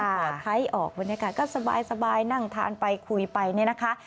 พอไทยออกบรรยากาศก็สบายนั่งทานไปคุยไปเนี่ยนะคะ